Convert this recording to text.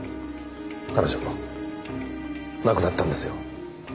彼女亡くなったんですよ。